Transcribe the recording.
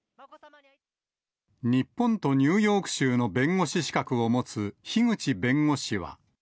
日本とニューヨーク州の弁護士資格を持つ樋口弁護士は。